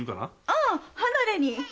ああ離れに。